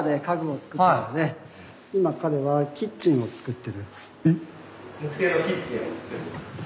今彼はキッチンを作ってる。